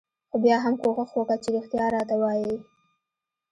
خو بيا هم کوښښ وکه چې رښتيا راته وايې.